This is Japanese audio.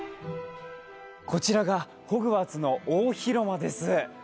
こちらがホグワーツの大広間です。